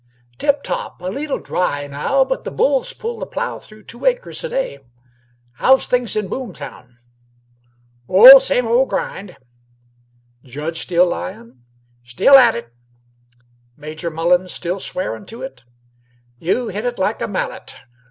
"Tip top! A leette dry now; but the bulls pull the plough through two acres a day. How's things in Boomtown?" "Oh, same old grind." "Judge still lyin'?" "Still at it." "Major Mullens still swearin' to it?" "You hit it like a mallet.